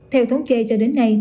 theo thống kê cho đến nay